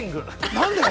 何で？